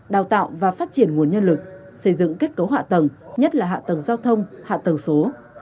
đào tạo và phát triển nguồn nhân lực xây dựng kết cấu hạ tầng nhất là hạ tầng giao thông hạ tầng số